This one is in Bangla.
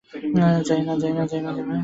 যাই, মা!